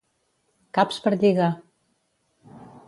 Caps per lligar.